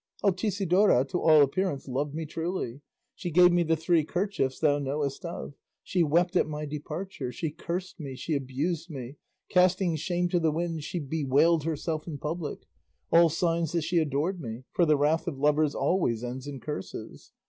Altisidora, to all appearance, loved me truly; she gave me the three kerchiefs thou knowest of; she wept at my departure, she cursed me, she abused me, casting shame to the winds she bewailed herself in public; all signs that she adored me; for the wrath of lovers always ends in curses.